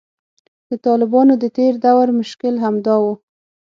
د طالبانو د تیر دور مشکل همدا و